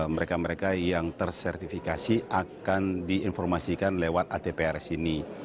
mereka mereka yang tersertifikasi akan diinformasikan lewat atprs ini